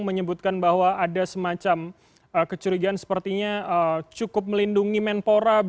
menyebutkan bahwa ada semacam kecurigaan sepertinya cukup melindungi menpora